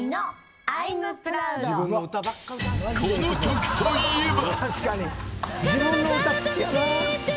この曲といえば。